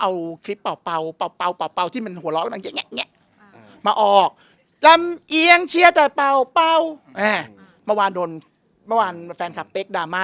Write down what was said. รู้สึกว่ามันเป็นการดราม่า